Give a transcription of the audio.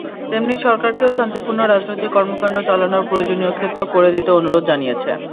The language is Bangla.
তেমনি সরকারকেও শান্তিপূর্ণ রাজনৈতিক কর্মকাণ্ড চালানোর প্রয়োজনীয় ক্ষেত্র করে দিতে অনুরোধ জানিয়েছে।